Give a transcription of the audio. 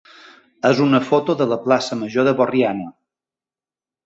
és una foto de la plaça major de Borriana.